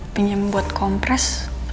pinjam buat kompres